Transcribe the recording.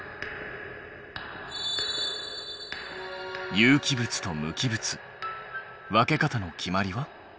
有機物と無機物分け方の決まりは？